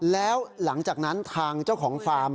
แล้วหลังจากนั้นทางเจ้าของฟาร์ม